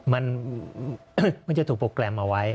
มันจะถูกโปรแกรมเอาไว้